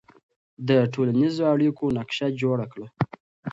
د ټولنیزو اړیکو نقشه جوړه کړه.